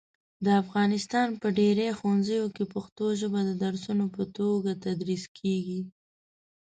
د افغانستان په ډېری ښوونځیو کې پښتو ژبه د درسونو په توګه تدریس کېږي.